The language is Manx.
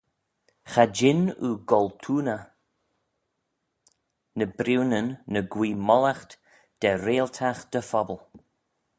Cha jean oo goltooaney ny briwnyn ny guee mollaght da reilltagh dty phobble.